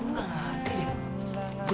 gua gak ngerti deh